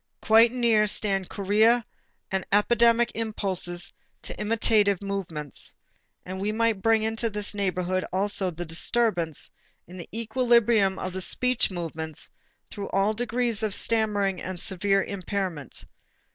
Quite near stand chorea and the epidemic impulses to imitative movements. And we might bring into this neighborhood also the disturbance in the equilibrium of the speech movements through all degrees of stammering and severe impairment.